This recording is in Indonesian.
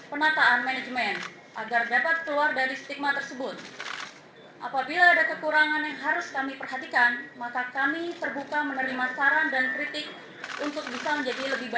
artinya memang kalau ada indikasi hotel kita atau pria pijat kita sekalipun melakukan tindakan tindakan yang tidak sesuai dengan asusila